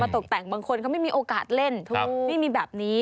ตกแต่งบางคนเขาไม่มีโอกาสเล่นไม่มีแบบนี้